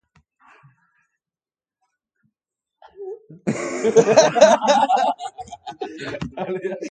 Enpresaren helburua zentral nuklear baten eraikuntza zen.